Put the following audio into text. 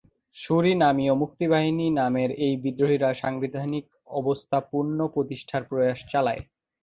সুরিনামীয় মুক্তিবাহিনী নামের এই বিদ্রোহীরা সাংবিধানিক অবস্থা পুনঃপ্রতিষ্ঠার প্রয়াস চালায়।